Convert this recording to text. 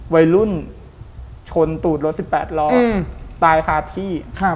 วัยรุ่นชนตูดรถ๑๘ล้อตายคาที่